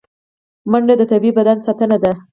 منډه د طبیعي بدن ساتنه ده